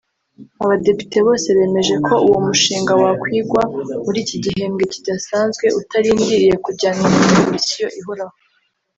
Abadepite bose bemeje ko uwo mushinga wakwigwa muri iki gihembwe kidasanzwe utarindiriye kujyanwa muri Komisiyo ihoraho